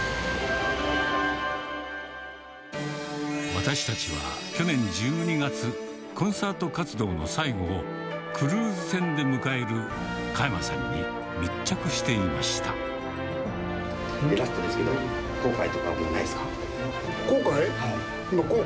私たちは去年１２月、コンサート活動の最後をクルーズ船で迎える加山さんに密着していラストですけど、後悔？